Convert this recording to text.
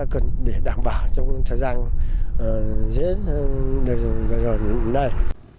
cần để đảm bảo trong thời gian diễn đời dùng đời dùng đời dùng này